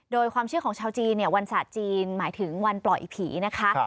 โดยความเชื่อของชาวจีนเนี่ยวันศาสตร์จีนหมายถึงวันปล่อยผีนะคะ